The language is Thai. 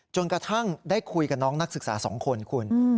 จนกระทั่งได้คุยกับน้องนักศึกษา๒คนคุณ